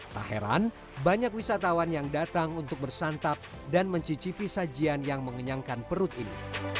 tak heran banyak wisatawan yang datang untuk bersantap dan mencicipi sajian yang mengenyangkan perut ini